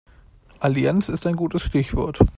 Allianz ist ein gutes Stichwort.